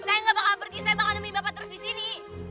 pak saya gak akan pergi saya akan temui bapak terus di sini